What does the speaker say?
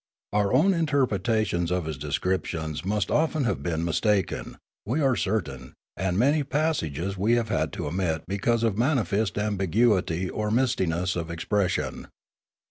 Our own interpretations of his descriptions must often have been mistaken, we are certain, and many passages we have had to omit be cause of manifest ambiguity or mistiness of expression.